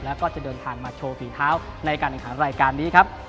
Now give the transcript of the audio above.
แล้วก็จะเดินทางมาโชว์ฝีเท้าในการแข่งขันรายการนี้ครับ